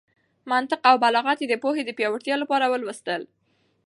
منطق او بلاغت يې د پوهې د پياوړتيا لپاره ولوستل.